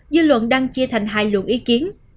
dư luận đang chia thành hai luận ý kiến